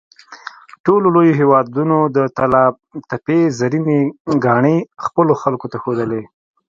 ټولو لویو هېوادونو د طلاتپې زرینې ګاڼې خپلو خلکو ته ښودلې.